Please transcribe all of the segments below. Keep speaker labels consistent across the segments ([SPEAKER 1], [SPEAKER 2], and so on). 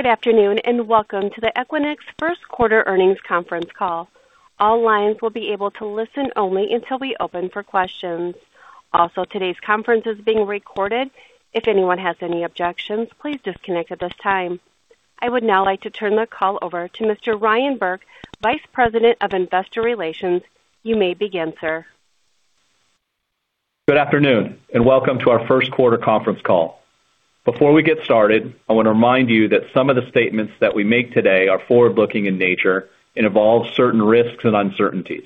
[SPEAKER 1] Good afternoon, and welcome to the Equinix first quarter earnings conference call. All lines will be able to listen only until we open for questions. Also, today's conference is being recorded. If anyone has any objections, please disconnect at this time. I would now like to turn the call over to Mr. Ryan Burke, Vice President of Investor Relations. You may begin, sir.
[SPEAKER 2] Good afternoon, and welcome to our first quarter conference call. Before we get started, I want to remind you that some of the statements that we make today are forward-looking in nature and involve certain risks and uncertainties.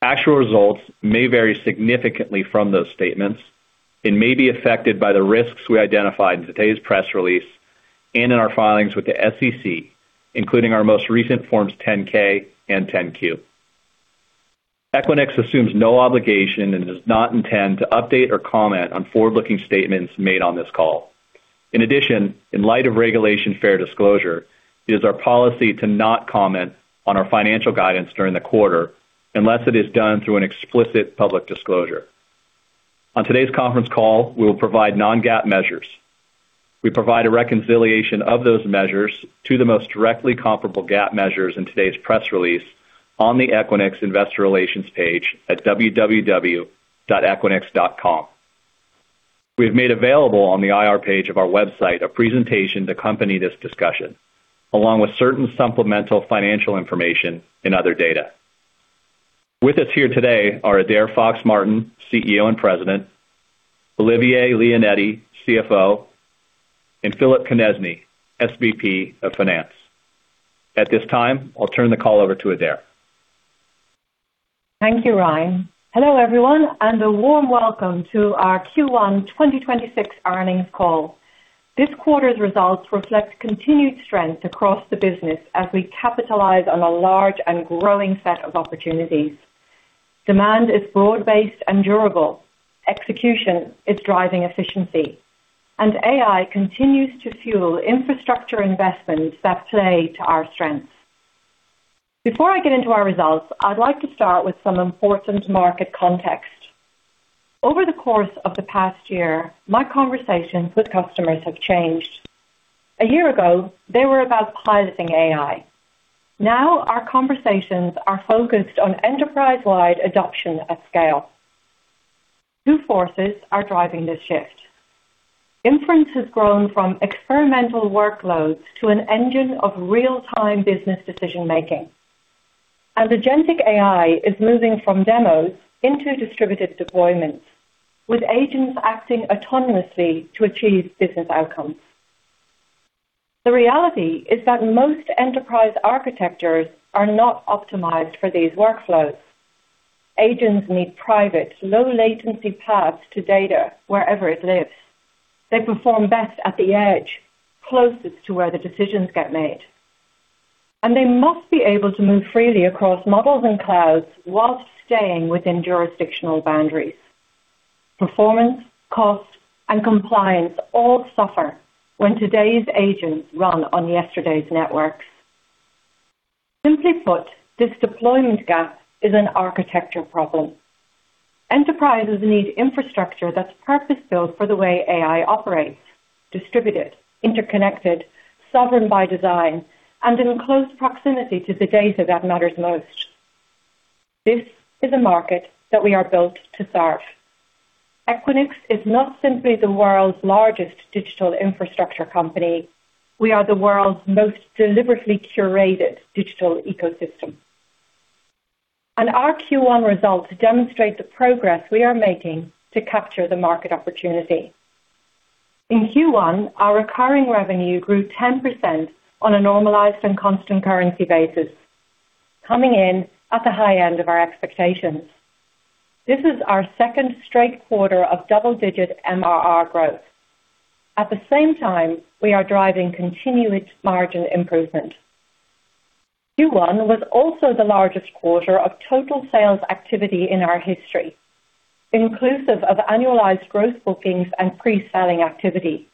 [SPEAKER 2] Actual results may vary significantly from those statements and may be affected by the risks we identified in today's press release and in our filings with the SEC, including our most recent Form 10-K and Form 10-Q. Equinix assumes no obligation and does not intend to update or comment on forward-looking statements made on this call. In addition, in light of Regulation Fair Disclosure, it is our policy to not comment on our financial guidance during the quarter unless it is done through an explicit public disclosure. On today's conference call, we will provide non-GAAP measures. We provide a reconciliation of those measures to the most directly comparable GAAP measures in today's press release on the Equinix Investor Relations page at www.equinix.com. We have made available on the IR page of our website a presentation to accompany this discussion, along with certain supplemental financial information and other data. With us here today are Adair Fox-Martin, CEO and President, Olivier Leonetti, CFO, and Phillip Konieczny, SVP of Finance. At this time, I'll turn the call over to Adair.
[SPEAKER 3] Thank you, Ryan. Hello, everyone, and a warm welcome to our Q1 2026 earnings call. This quarter's results reflect continued strength across the business as we capitalize on a large and growing set of opportunities. Demand is broad-based and durable. Execution is driving efficiency. AI continues to fuel infrastructure investments that play to our strengths. Before I get into our results, I'd like to start with some important market context. Over the course of the past year, my conversations with customers have changed. A year ago, they were about piloting AI. Now our conversations are focused on enterprise-wide adoption at scale. Two forces are driving this shift. Inference has grown from experimental workloads to an engine of real-time business decision-making. Agentic AI is moving from demos into distributed deployments, with agents acting autonomously to achieve business outcomes. The reality is that most enterprise architectures are not optimized for these workflows. Agents need private, low-latency paths to data wherever it lives. They perform best at the edge, closest to where the decisions get made. They must be able to move freely across models and clouds while staying within jurisdictional boundaries. Performance, cost, and compliance all suffer when today's agents run on yesterday's networks. Simply put, this deployment gap is an architecture problem. Enterprises need infrastructure that's purpose-built for the way AI operates: distributed, interconnected, sovereign by design, and in close proximity to the data that matters most. This is a market that we are built to serve. Equinix is not simply the world's largest digital infrastructure company. We are the world's most deliberately curated digital ecosystem. Our Q1 results demonstrate the progress we are making to capture the market opportunity. In Q1, our recurring revenue grew 10% on a normalized and constant currency basis, coming in at the high end of our expectations. This is our second straight quarter of double-digit MRR growth. At the same time, we are driving continuous margin improvement. Q1 was also the largest quarter of total sales activity in our history, inclusive of annualized growth bookings and pre-selling activity.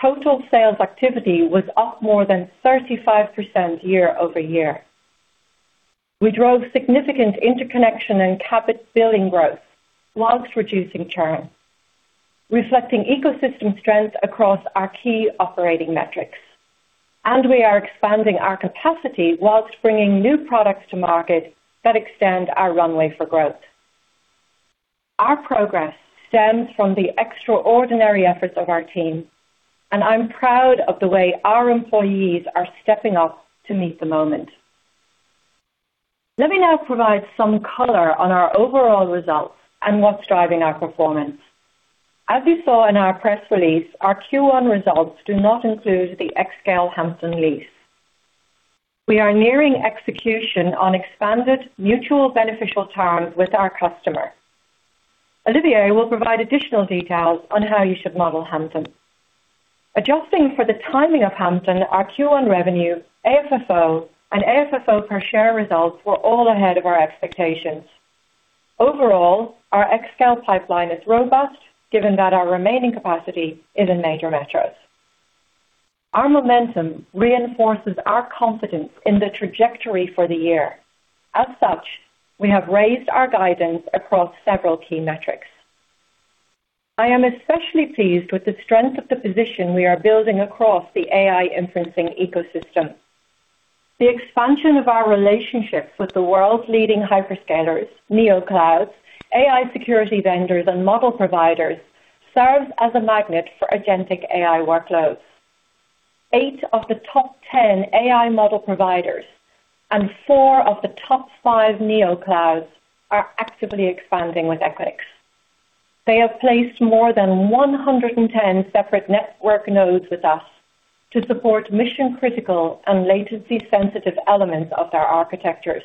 [SPEAKER 3] Total sales activity was up more than 35% year-over-year. We drove significant interconnection and CapEx billing growth whilst reducing churn, reflecting ecosystem strength across our key operating metrics. We are expanding our capacity whilst bringing new products to market that extend our runway for growth. Our progress stems from the extraordinary efforts of our team, and I'm proud of the way our employees are stepping up to meet the moment. Let me now provide some color on our overall results and what's driving our performance. As you saw in our press release, our Q1 results do not include the xScale Hampton lease. We are nearing execution on expanded mutual beneficial terms with our customer. Olivier will provide additional details on how you should model Hampton. Adjusting for the timing of Hampton, our Q1 revenue, AFFO, and AFFO per share results were all ahead of our expectations. Overall, our xScale pipeline is robust given that our remaining capacity is in major metros. Our momentum reinforces our confidence in the trajectory for the year. As such, we have raised our guidance across several key metrics. I am especially pleased with the strength of the position we are building across the AI inferencing ecosystem. The expansion of our relationships with the world's leading hyperscalers, Neo-clouds, AI security vendors, and model providers serves as a magnet for agentic AI workloads. eight of the top 10 AI model providers and four of the top five Neo-clouds are actively expanding with Equinix. They have placed more than 110 separate network nodes with us to support mission-critical and latency-sensitive elements of their architectures.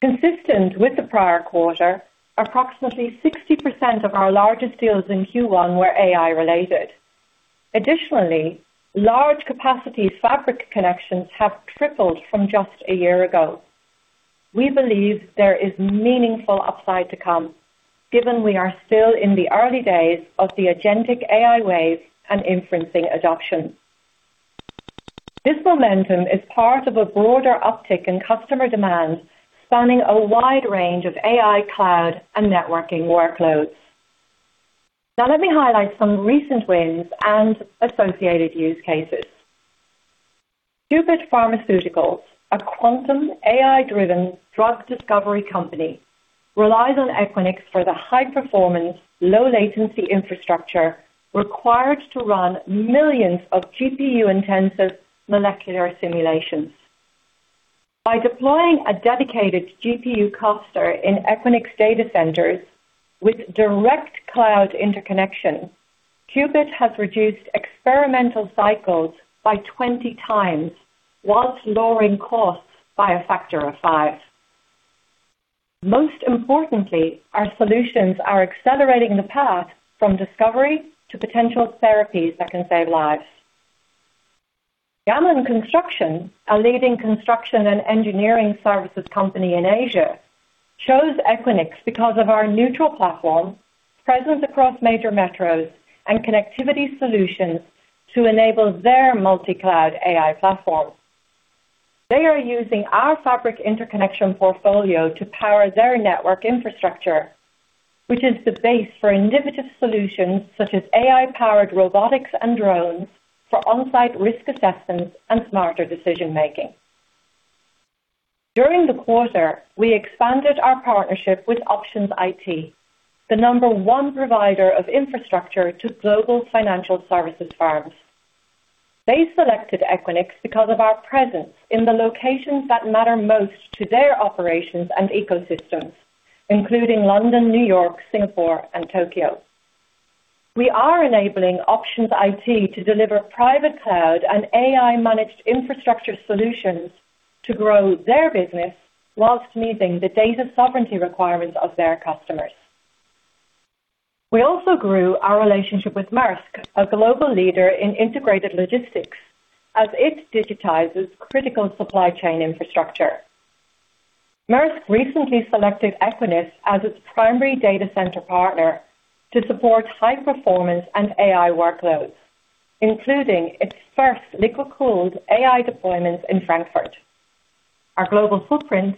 [SPEAKER 3] Consistent with the prior quarter, approximately 60% of our largest deals in Q1 were AI-related. Additionally, large capacity Equinix Fabric connections have tripled from just a year ago. We believe there is meaningful upside to come, given we are still in the early days of the agentic AI wave and inferencing adoption. This momentum is part of a broader uptick in customer demand spanning a wide range of AI cloud and networking workloads. Now let me highlight some recent wins and associated use cases. Qubit Pharmaceuticals, a quantum AI-driven drug discovery company, relies on Equinix for the high-performance, low-latency infrastructure required to run millions of GPU-intensive molecular simulations. By deploying a dedicated GPU cluster in Equinix data centers with direct cloud interconnection, Qubit has reduced experimental cycles by 20x while lowering costs by a factor of five. Most importantly, our solutions are accelerating the path from discovery to potential therapies that can save lives. Gammon Construction, a leading construction and engineering services company in Asia, chose Equinix because of our neutral platform, presence across major metros, and connectivity solutions to enable their multi-cloud AI platform. They are using our Equinix Fabric interconnection portfolio to power their network infrastructure, which is the base for innovative solutions such as AI-powered robotics and drones for on-site risk assessments and smarter decision-making. During the quarter, we expanded our partnership with Options Technology, the number one provider of infrastructure to global financial services firms. They selected Equinix because of our presence in the locations that matter most to their operations and ecosystems, including London, New York, Singapore, and Tokyo. We are enabling Options Technology to deliver private cloud and AI-managed infrastructure solutions to grow their business while meeting the data sovereignty requirements of their customers. We also grew our relationship with Maersk, a global leader in integrated logistics, as it digitizes critical supply chain infrastructure. Maersk recently selected Equinix as its primary data center partner to support high-performance and AI workloads, including its first liquid-cooled AI deployment in Frankfurt. Our global footprint,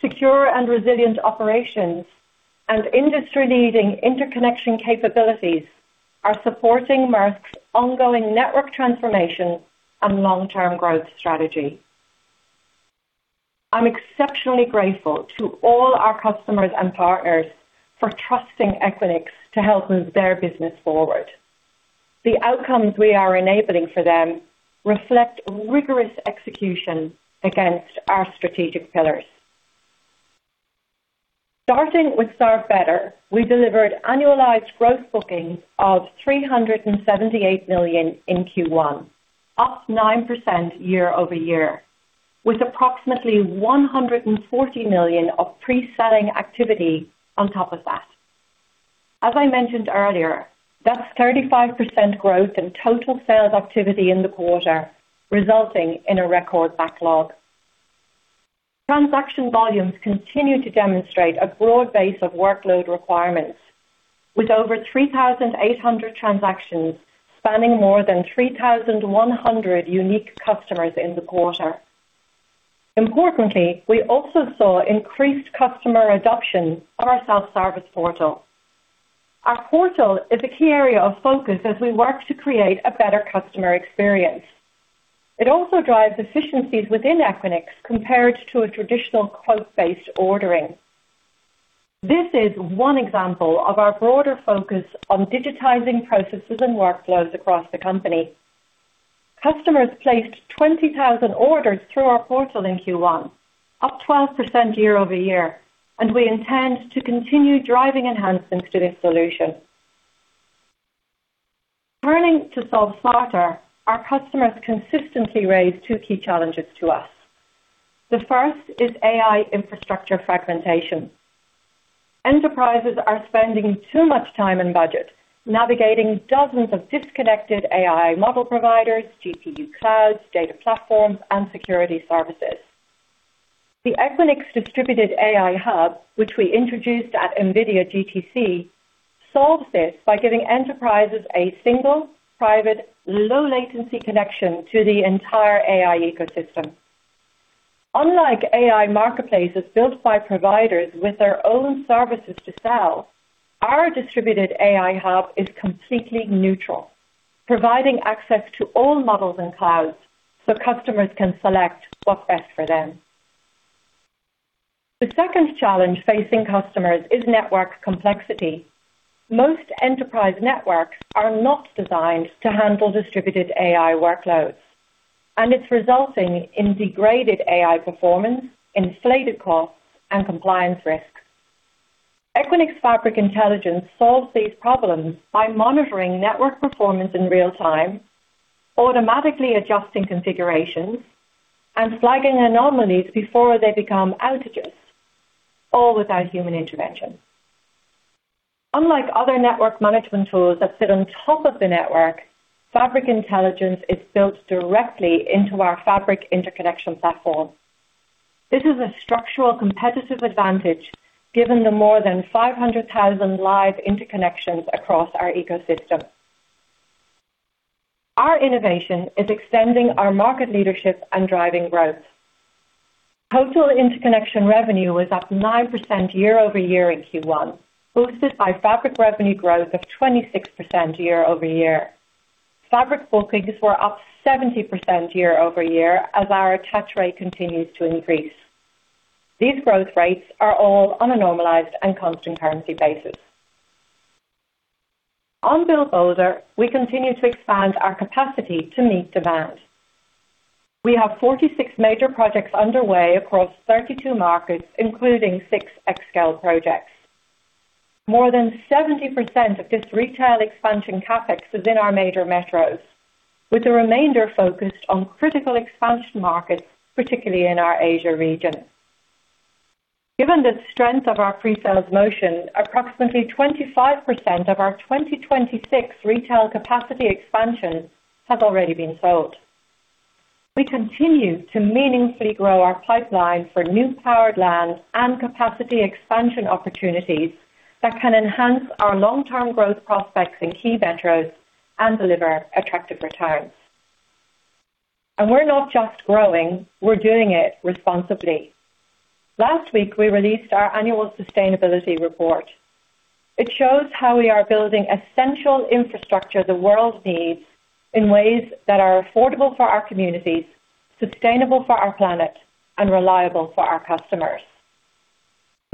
[SPEAKER 3] secure and resilient operations, and industry-leading interconnection capabilities are supporting Maersk's ongoing network transformation and long-term growth strategy. I'm exceptionally grateful to all our customers and partners for trusting Equinix to help move their business forward. The outcomes we are enabling for them reflect rigorous execution against our strategic pillars. Starting with Serve Better, we delivered annualized growth bookings of $378 million in Q1, up 9% year-over-year, with approximately $140 million of pre-selling activity on top of that. As I mentioned earlier, that's 35% growth in total sales activity in the quarter, resulting in a record backlog. Transaction volumes continue to demonstrate a broad base of workload requirements, with over 3,800 transactions spanning more than 3,100 unique customers in the quarter. Importantly, we also saw increased customer adoption of our self-service portal. Our portal is a key area of focus as we work to create a better customer experience. It also drives efficiencies within Equinix compared to a traditional quote-based ordering. This is one example of our broader focus on digitizing processes and workflows across the company. Customers placed 20,000 orders through our portal in Q1, up 12% year-over-year, and we intend to continue driving enhancements to this solution. Turning to Solve Smarter, our customers consistently raise two key challenges to us. The first is AI infrastructure fragmentation. Enterprises are spending too much time and budget navigating dozens of disconnected AI model providers, GPU clouds, data platforms, and security services. The Equinix Distributed AI Hub, which we introduced at NVIDIA GTC, solves this by giving enterprises a single, private, low-latency connection to the entire AI ecosystem. Unlike AI marketplaces built by providers with their own services to sell, our distributed AI hub is completely neutral, providing access to all models and clouds so customers can select what's best for them. The second challenge facing customers is network complexity. Most enterprise networks are not designed to handle distributed AI workloads, and it's resulting in degraded AI performance, inflated costs, and compliance risk. Equinix Fabric Intelligence solves these problems by monitoring network performance in real time, automatically adjusting configurations, and flagging anomalies before they become outages, all without human intervention. Unlike other network management tools that sit on top of the network, Fabric Intelligence is built directly into our fabric interconnection platform. This is a structural competitive advantage given the more than 500,000 live interconnections across our ecosystem. Our innovation is extending our market leadership and driving growth. Colossal interconnection revenue was up 9% year-over-year in Q1, boosted by Fabric revenue growth of 26% year-over-year. Fabric bookings were up 70% year-over-year as our attach rate continues to increase. These growth rates are all on a normalized and constant currency basis. On Build Bolder, we continue to expand our capacity to meet demand. We have 46 major projects underway across 32 markets, including six xScale projects. More than 70% of this retail expansion CapEx is in our major metros, with the remainder focused on critical expansion markets, particularly in our Asia region. Given the strength of our pre-sales motion, approximately 25% of our 2026 retail capacity expansion has already been sold. We continue to meaningfully grow our pipeline for new powered lands and capacity expansion opportunities that can enhance our long-term growth prospects in key metros and deliver attractive returns. We're not just growing, we're doing it responsibly. Last week, we released our annual sustainability report. It shows how we are building essential infrastructure the world needs in ways that are affordable for our communities, sustainable for our planet, and reliable for our customers.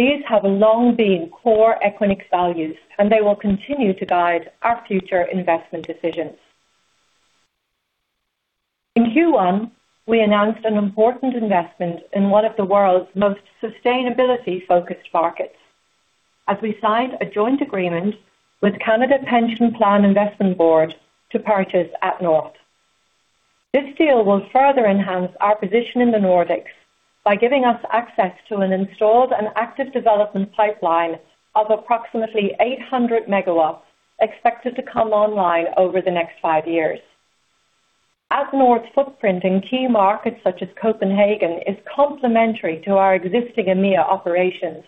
[SPEAKER 3] These have long been core Equinix values, and they will continue to guide our future investment decisions. In Q1, we announced an important investment in one of the world's most sustainability-focused markets as we signed a joint agreement with Canada Pension Plan Investment Board to purchase atnNorth. This deal will further enhance our position in the Nordics by giving us access to an installed and active development pipeline of approximately 800 MW expected to come online over the next five years. at North's footprint in key markets such as Copenhagen is complementary to our existing EMEA operations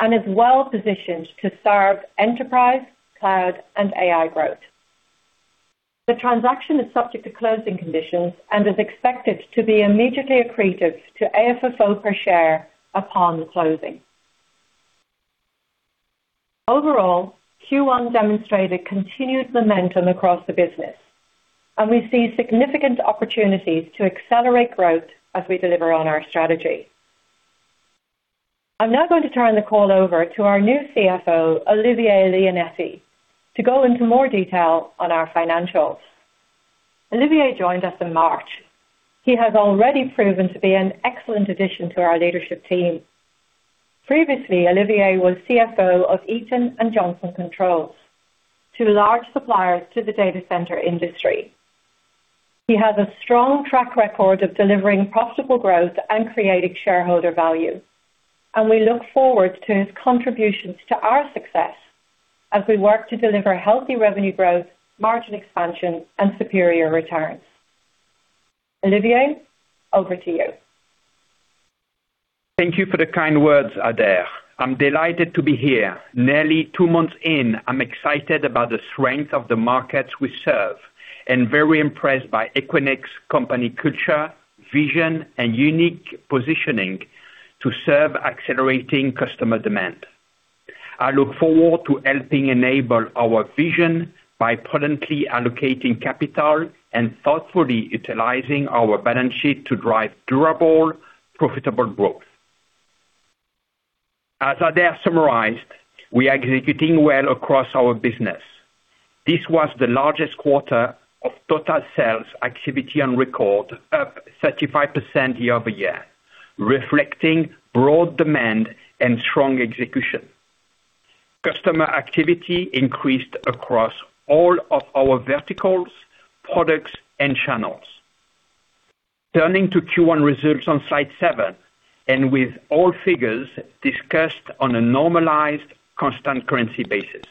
[SPEAKER 3] and is well-positioned to serve enterprise, cloud, and AI growth. The transaction is subject to closing conditions and is expected to be immediately accretive to AFFO per share upon the closing. Overall, Q1 demonstrated continued momentum across the business, and we see significant opportunities to accelerate growth as we deliver on our strategy. I'm now going to turn the call over to our new CFO, Olivier Leonetti, to go into more detail on our financials. Olivier joined us in March. He has already proven to be an excellent addition to our leadership team. Previously, Olivier was CFO of Eaton and Johnson Controls, two large suppliers to the data center industry. He has a strong track record of delivering profitable growth and creating shareholder value, and we look forward to his contributions to our success as we work to deliver healthy revenue growth, margin expansion, and superior returns. Olivier, over to you.
[SPEAKER 4] Thank you for the kind words, Adair. I'm delighted to be here. Nearly two months in, I'm excited about the strength of the markets we serve and very impressed by Equinix company culture, vision, and unique positioning to serve accelerating customer demand. I look forward to helping enable our vision by prudently allocating capital and thoughtfully utilizing our balance sheet to drive durable, profitable growth. As Adair summarized, we are executing well across our business. This was the largest quarter of total sales activity on record, up 35% year-over-year, reflecting broad demand and strong execution. Customer activity increased across all of our verticals, products, and channels. Turning to Q1 results on slide seven, and with all figures discussed on a normalized constant currency basis.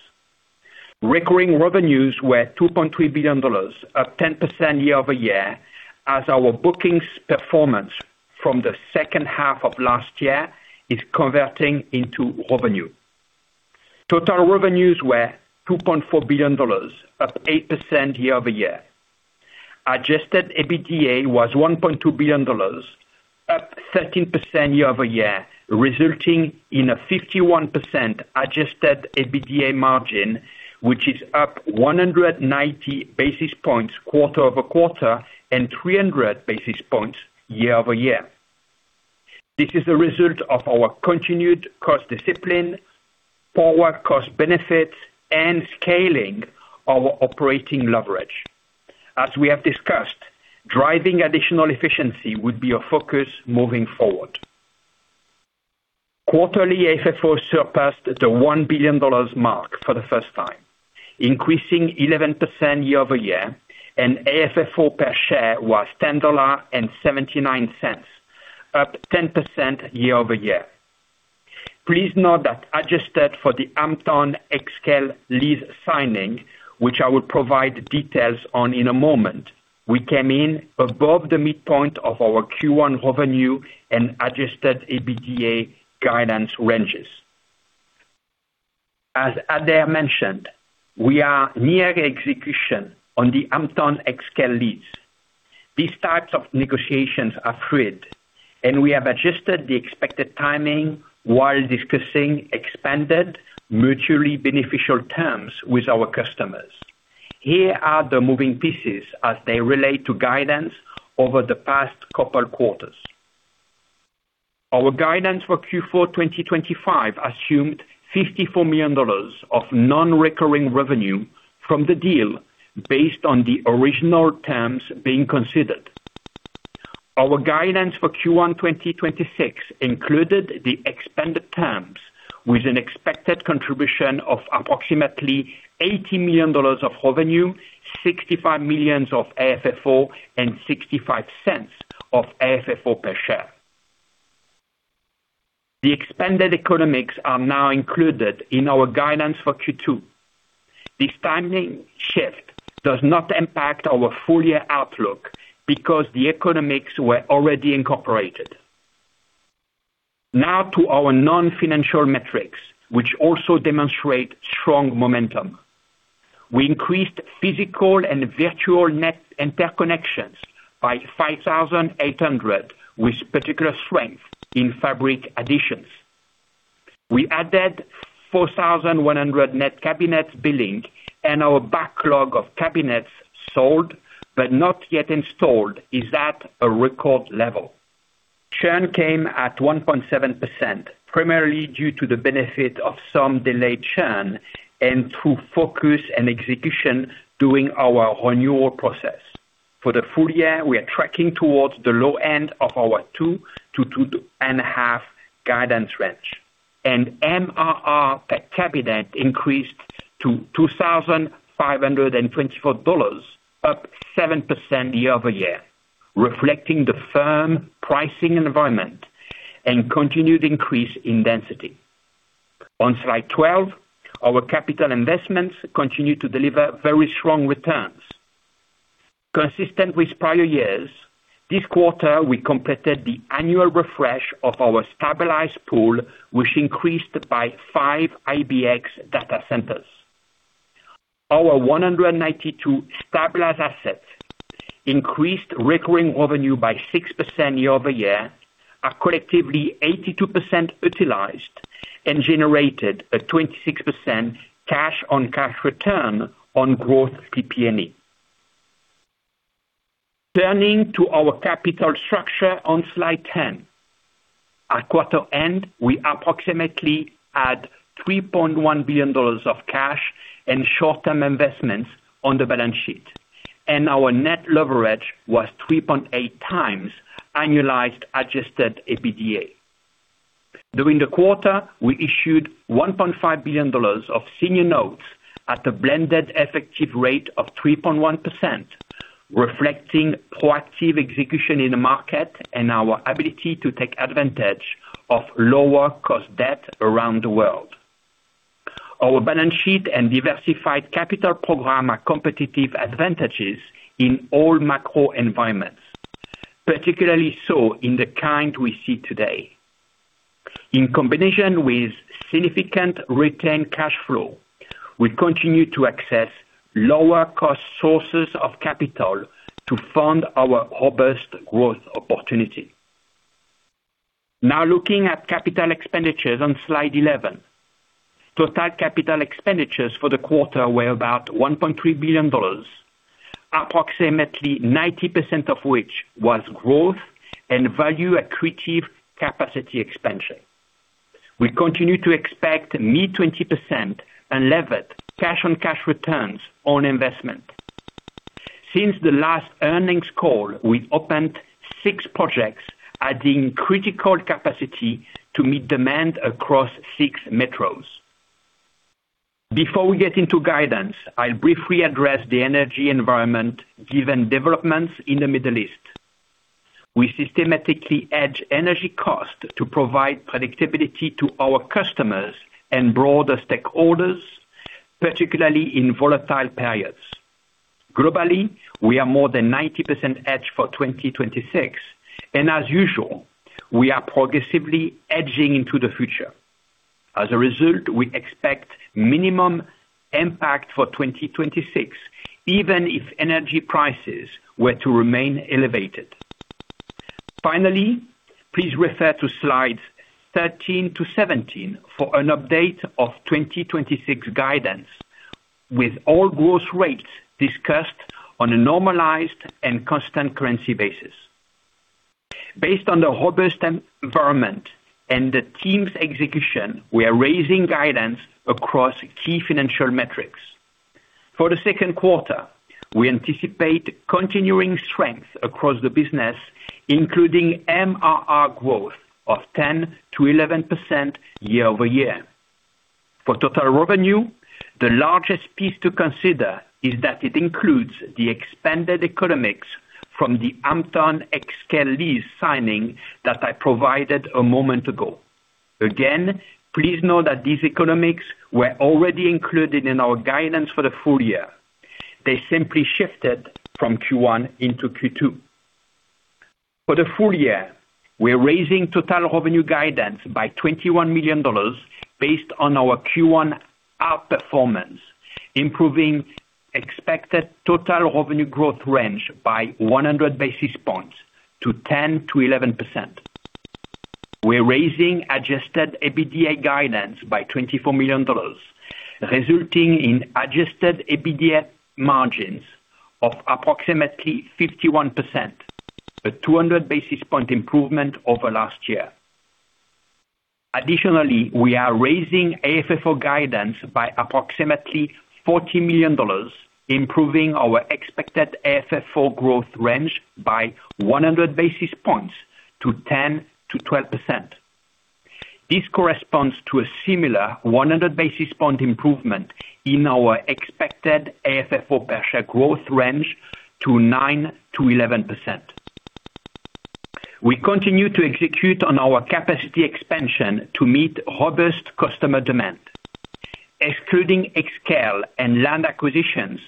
[SPEAKER 4] Recurring revenues were $2.3 billion, up 10% year-over-year, as our bookings performance from the second half of last year is converting into revenue. Total revenues were $2.4 billion, up 8% year-over-year. Adjusted EBITDA was $1.2 billion, up 13% year-over-year, resulting in a 51% Adjusted EBITDA margin, which is up 190 basis points quarter-over-quarter and 300 basis points year-over-year. This is a result of our continued cost discipline, forward cost benefits, and scaling our operating leverage. As we have discussed, driving additional efficiency would be a focus moving forward. Quarterly AFFO surpassed the $1 billion mark for the first time, increasing 11% year-over-year, and AFFO per share was $10.79, up 10% year-over-year. Please note that adjusted for the AmpthonXL lease signing, which I will provide details on in a moment, we came in above the midpoint of our Q1 revenue and Adjusted EBITDA guidance ranges. As Adair mentioned, we are near execution on the Ampthon/XL leases. These types of negotiations are fluid, and we have adjusted the expected timing while discussing expanded mutually beneficial terms with our customers. Here are the moving pieces as they relate to guidance over the past two quarters. Our guidance for Q4 2025 assumed $54 million of non-recurring revenue from the deal based on the original terms being considered. Our guidance for Q1 2026 included the expanded terms with an expected contribution of approximately $80 million of revenue, $65 million of AFFO, and $0.65 of AFFO per share. The expanded economics are now included in our guidance for Q2. This timing shift does not impact our full-year outlook because the economics were already incorporated. Now to our non-financial metrics, which also demonstrate strong momentum. We increased physical and virtual net interconnections by 5,800 with particular strength in Fabric additions. We added 4,100 net cabinet billing and our backlog of cabinets sold but not yet installed is at a record level. Churn came at 1.7%, primarily due to the benefit of some delayed churn and through focus and execution during our renewal process. For the full year, we are tracking towards the low end of our 2%-2.5% guidance range. MRR per cabinet increased to $2,524, up 7% year-over-year, reflecting the firm pricing environment and continued increase in density. On slide 12, our capital investments continue to deliver very strong returns. Consistent with prior years, this quarter we completed the annual refresh of our stabilized pool, which increased by 5 IBX data centers. Our 192 stabilized assets increased recurring revenue by 6% year-over-year, are collectively 82% utilized, and generated a 26% cash-on-cash return on growth PP&E. Turning to our capital structure on slide 10. At quarter end, we approximately had $3.1 billion of cash and short-term investments on the balance sheet, and our net leverage was 3.8x annualized Adjusted EBITDA. During the quarter, we issued $1.5 billion of senior notes at a blended effective rate of 3.1%, reflecting proactive execution in the market and our ability to take advantage of lower cost debt around the world. Our balance sheet and diversified capital program are competitive advantages in all macro environments, particularly so in the kind we see today. In combination with significant retained cash flow, we continue to access lower cost sources of capital to fund our robust growth opportunity. Looking at CapEx on slide 11. Total CapEx for the quarter were about $1.3 billion, approximately 90% of which was growth and value accretive capacity expansion. We continue to expect mid-20% unlevered cash-on-cash returns on investment. Since the last earnings call, we opened six projects, adding critical capacity to meet demand across six metros. Before we get into guidance, I'll briefly address the energy environment given developments in the Middle East. We systematically hedge energy costs to provide predictability to our customers and broader stakeholders, particularly in volatile periods. Globally, we are more than 90% hedged for 2026, and as usual, we are progressively edging into the future. As a result, we expect minimum impact for 2026, even if energy prices were to remain elevated. Finally, please refer to slides 13-17 for an update of 2026 guidance with all growth rates discussed on a normalized and constant currency basis. Based on the robust environment and the team's execution, we are raising guidance across key financial metrics. For the second quarter, we anticipate continuing strength across the business, including MRR growth of 10%-11% year-over-year. For total revenue, the largest piece to consider is that it includes the expanded economics from the atNorth xScale lease signing that I provided a moment ago. Again, please know that these economics were already included in our guidance for the full year. They simply shifted from Q1 into Q2. For the full year, we're raising total revenue guidance by $21 million based on our Q1 outperformance, improving expected total revenue growth range by 100 basis points to 10%-11%. We're raising Adjusted EBITDA guidance by $24 million, resulting in Adjusted EBITDA margins of approximately 51%, a 200 basis point improvement over last year. Additionally, we are raising AFFO guidance by approximately $40 million, improving our expected AFFO growth range by 100 basis points to 10%-12%. This corresponds to a similar 100 basis point improvement in our expected AFFO per share growth range to 9%-11%. We continue to execute on our capacity expansion to meet robust customer demand. Excluding xScale and land acquisitions,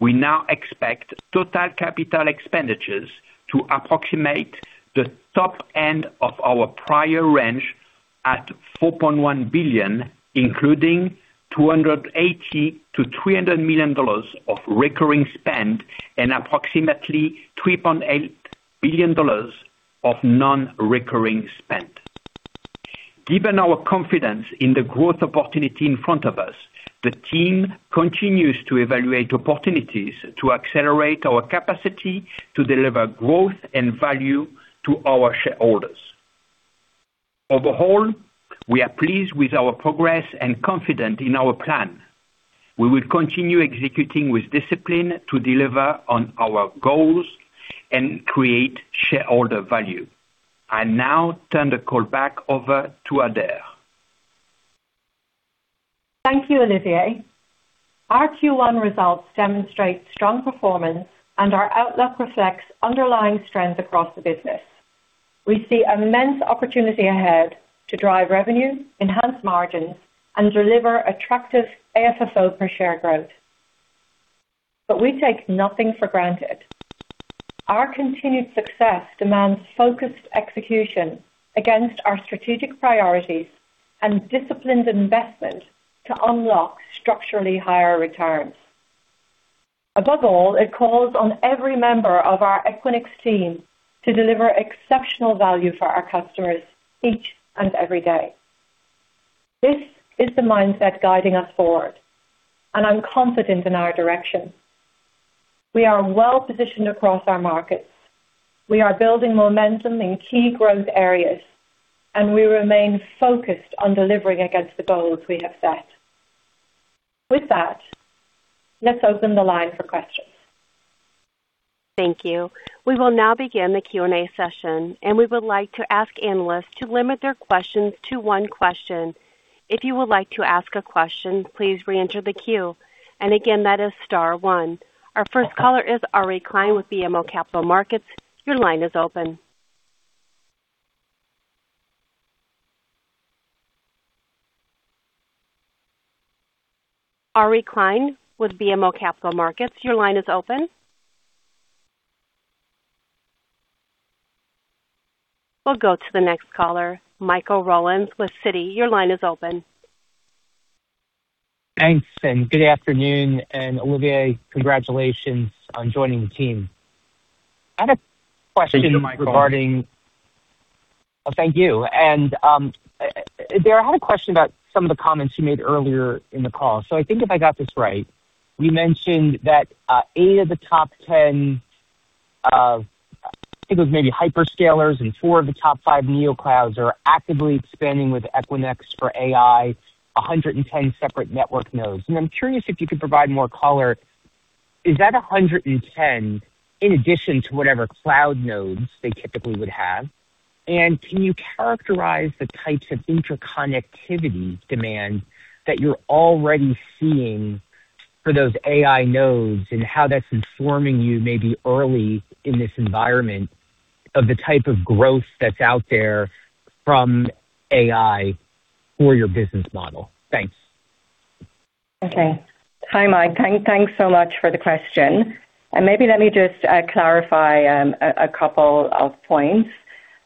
[SPEAKER 4] we now expect total capital expenditures to approximate the top end of our prior range at $4.1 billion, including $280 million-$300 million of recurring spend and approximately $3.8 billion of non-recurring spend. Given our confidence in the growth opportunity in front of us, the team continues to evaluate opportunities to accelerate our capacity to deliver growth and value to our shareholders. Overall, we are pleased with our progress and confident in our plan. We will continue executing with discipline to deliver on our goals and create shareholder value. I now turn the call back over to Adair.
[SPEAKER 3] Thank you, Olivier. Our Q1 results demonstrate strong performance. Our outlook reflects underlying strength across the business. We see immense opportunity ahead to drive revenue, enhance margins, and deliver attractive AFFO per share growth. We take nothing for granted. Our continued success demands focused execution against our strategic priorities and disciplined investment to unlock structurally higher returns. Above all, it calls on every member of our Equinix team to deliver exceptional value for our customers each and every day. This is the mindset guiding us forward. I'm confident in our direction. We are well-positioned across our markets. We are building momentum in key growth areas. We remain focused on delivering against the goals we have set. With that, let's open the line for questions.
[SPEAKER 1] Thank you. We will now begin the Q&A session, and we would like to ask analysts to limit their questions to one question. If you would like to ask a question, please reenter the queue. Again, that is star one. Our first caller is Ari Klein with BMO Capital Markets. Ari Klein with BMO Capital Markets. We'll go to the next caller. Michael Rollins with Citi.
[SPEAKER 5] Thanks, and good afternoon. Olivier, congratulations on joining the team. I have a question.
[SPEAKER 4] Thank you, Michael.
[SPEAKER 5] Oh, thank you. Adair, I had a question about some of the comments you made earlier in the call. I think if I got this right, you mentioned that eight of the top 10, I think it was maybe hyperscalers and four of the top five Neoclouds are actively expanding with Equinix for AI, 110 separate network nodes. I'm curious if you could provide more color. Is that 110 in addition to whatever cloud nodes they typically would have? Can you characterize the types of interconnectivity demand that you're already seeing for those AI nodes and how that's informing you maybe early in this environment of the type of growth that's out there from AI? Your business model. Thanks.
[SPEAKER 3] Okay. Hi, Mike. Thanks so much for the question. Maybe let me just clarify a couple of points.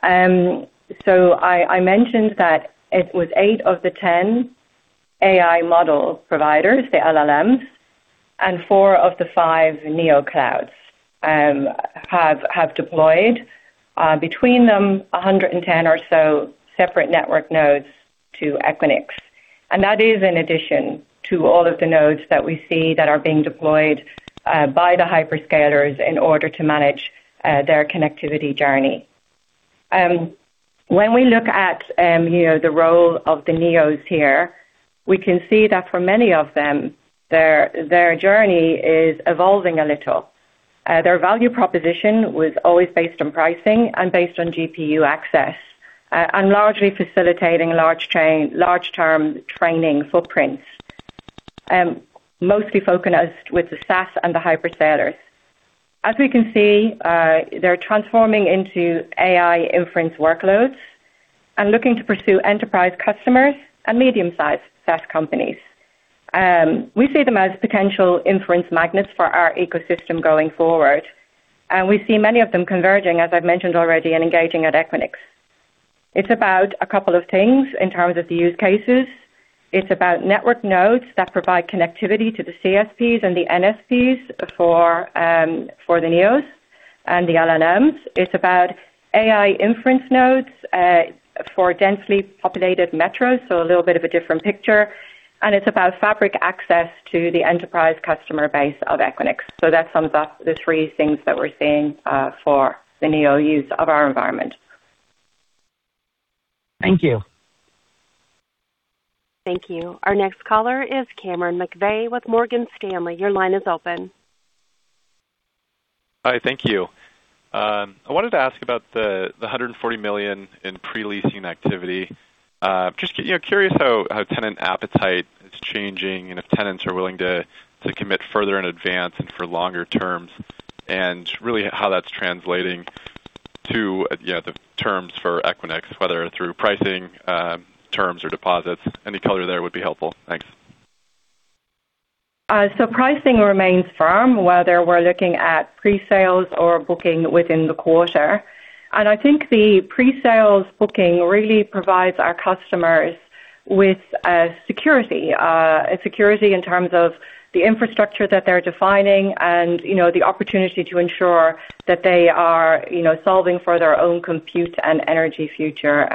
[SPEAKER 3] I mentioned that it was eight of the 10 AI model providers, the LLMs, and four of the five Neoclouds have deployed between them 110 or so separate network nodes to Equinix. That is in addition to all of the nodes that we see that are being deployed by the hyperscalers in order to manage their connectivity journey. When we look at, you know, the role of the Neos here, we can see that for many of them, their journey is evolving a little. Their value proposition was always based on pricing and based on GPU access, and largely facilitating large term training footprints, mostly focused with the SaaS and the hyperscalers. As we can see, they're transforming into AI inference workloads and looking to pursue enterprise customers and medium-sized SaaS companies. We see them as potential inference magnets for our ecosystem going forward, and we see many of them converging, as I've mentioned already, and engaging at Equinix. It's about a couple of things in terms of the use cases. It's about network nodes that provide connectivity to the CSPs and the NSPs for the neos and the LLMs. It's about AI inference nodes for densely populated metros, a little bit of a different picture. It's about Fabric access to the enterprise customer base of Equinix. That sums up the three things that we're seeing for the Neoclouds of our environment.
[SPEAKER 5] Thank you.
[SPEAKER 1] Thank you. Our next caller is Cameron McVeigh with Morgan Stanley. Your line is open.
[SPEAKER 6] Hi, thank you. I wanted to ask about the $140 million in pre-leasing activity. Just you know, curious how tenant appetite is changing and if tenants are willing to commit further in advance and for longer terms, and really how that's translating to, you know, the terms for Equinix, whether through pricing, terms or deposits. Any color there would be helpful. Thanks.
[SPEAKER 3] Pricing remains firm, whether we're looking at pre-sales or booking within the quarter. I think the pre-sales booking really provides our customers with security. Security in terms of the infrastructure that they're defining and, you know, the opportunity to ensure that they are, you know, solving for their own compute and energy future.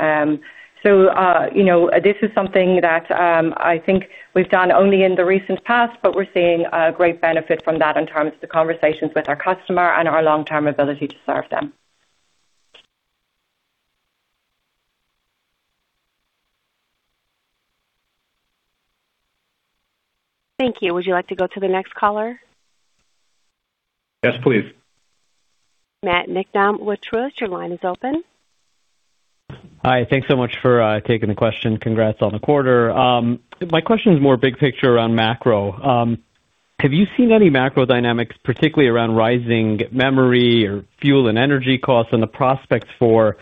[SPEAKER 3] You know, this is something that I think we've done only in the recent past, but we're seeing a great benefit from that in terms of the conversations with our customer and our long-term ability to serve them.
[SPEAKER 1] Thank you. Would you like to go to the next caller?
[SPEAKER 6] Yes, please.
[SPEAKER 1] Matthew Niknam with Truist. Your line is open.
[SPEAKER 7] Hi. Thanks so much for taking the question. Congrats on the quarter. My question is more big picture around macro. Have you seen any macro dynamics, particularly around rising memory or fuel and energy costs and the prospects for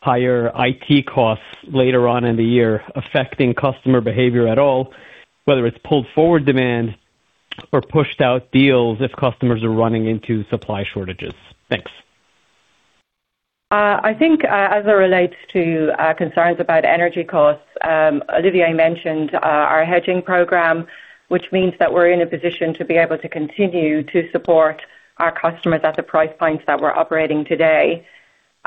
[SPEAKER 7] higher IT costs later on in the year affecting customer behavior at all, whether it's pulled forward demand or pushed out deals if customers are running into supply shortages? Thanks.
[SPEAKER 3] I think, as it relates to concerns about energy costs, Olivier mentioned our hedging program, which means that we're in a position to be able to continue to support our customers at the price points that we're operating today.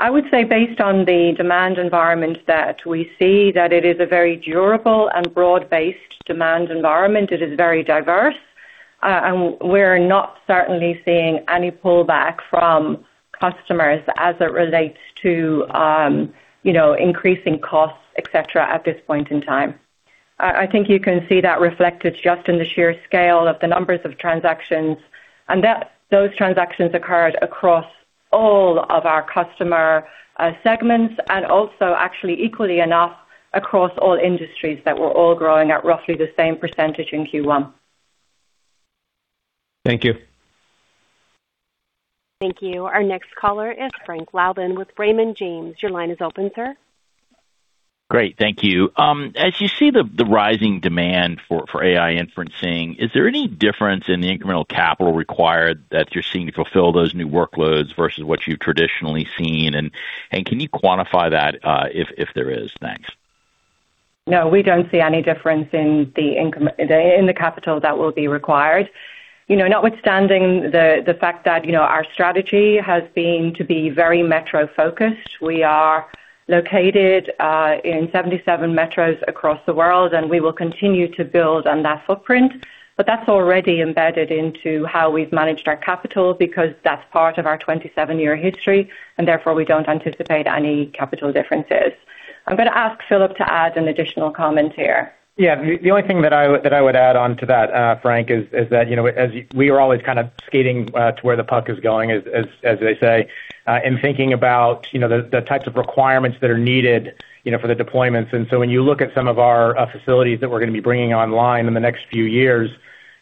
[SPEAKER 3] I would say based on the demand environment that we see that it is a very durable and broad-based demand environment. It is very diverse, and we're not certainly seeing any pullback from customers as it relates to, you know, increasing costs, et cetera, at this point in time. I think you can see that reflected just in the sheer scale of the numbers of transactions, and that those transactions occurred across all of our customer segments and also actually equally enough across all industries that were all growing at roughly the same percentage in Q1.
[SPEAKER 7] Thank you.
[SPEAKER 1] Thank you. Our next caller is Frank Louthan with Raymond James. Your line is open, sir.
[SPEAKER 8] Great. Thank you. As you see the rising demand for AI inferencing, is there any difference in the incremental capital required that you're seeing to fulfill those new workloads versus what you've traditionally seen? Can you quantify that if there is? Thanks.
[SPEAKER 3] No, we don't see any difference in the capital that will be required. You know, notwithstanding the fact that, you know, our strategy has been to be very metro-focused. We are located in 77 metros across the world, and we will continue to build on that footprint. That's already embedded into how we've managed our capital because that's part of our 27-year history, and therefore we don't anticipate any capital differences. I'm gonna ask Phillip to add an additional comment here.
[SPEAKER 9] Yeah. The only thing that I would add on to that, Frank, is that, you know, as we are always kind of skating to where the puck is going, as they say, in thinking about, you know, the types of requirements that are needed, you know, for the deployments. When you look at some of our facilities that we're gonna be bringing online in the next few years,